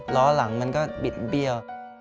ล้อหลังมันก็บิดเบี้ยว